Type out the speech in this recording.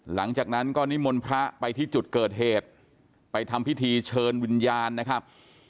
หลังจากนั้นก็นิมนต์พระไปที่จุดเกิดเหตุไปทำพิธีเชิญวิญญาณนะครับ